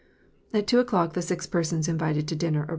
At two o'clock the six persons invited to dinner arrived.